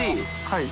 はい。